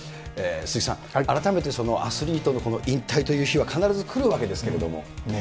鈴木さん、改めてアスリートのこの引退という日は必ず来るわけですけれども。